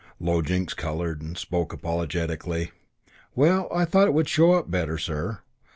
Low Jinks coloured and spoke apologetically: "Well, I thought it would show up better, sir.